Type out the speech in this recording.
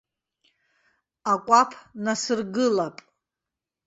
Акәаԥ насыргылап.